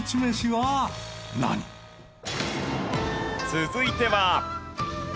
続いては。